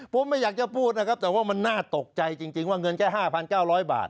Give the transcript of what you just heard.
ผมไม่อยากจะพูดนะครับแต่ว่ามันน่าตกใจจริงว่าเงินแค่๕๙๐๐บาท